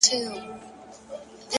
بریا د هڅو مېوه ده.!